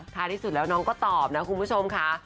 ที่สุดแล้วน้องก็ตอบนะคุณผู้ชมค่ะ